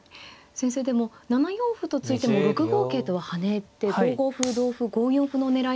先生でも７四歩と突いても６五桂と跳ねて５五歩同歩５四歩の狙いは。